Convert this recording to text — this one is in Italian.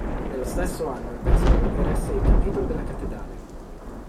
Nello stesso anno il vescovo eresse il capitolo della cattedrale.